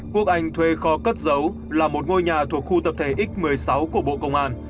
quốc anh thuê kho cất dấu là một ngôi nhà thuộc khu tập thể x một mươi sáu của bộ công an